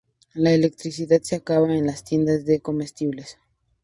La electricidad se acaba en las tiendas de comestibles.